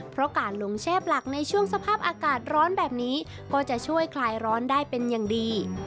เพราะการลงแชบหลักในช่วงสภาพอากาศร้อนแบบนี้ก็จะช่วยคลายร้อนได้เป็นอย่างดี